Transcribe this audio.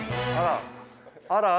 あら！